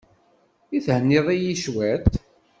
I thenniḍ-iyi cwiṭ?